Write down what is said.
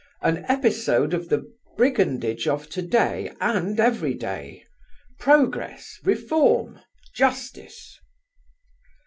An episode of the brigandage of today and every day! Progress! Reform! Justice!"